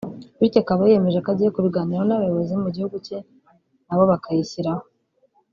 bityo akaba yiyemeje ko agiye kubiganiraho n’abayobozi mu gihugu cye nabo bakayishyiraho